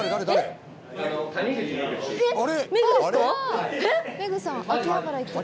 はい。